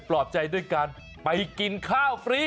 รอบใจด้วยการไปกินข้าวฟรี